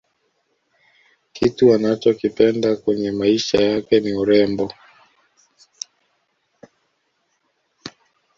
kitu anachokipenda kwenye maisha yake ni urembo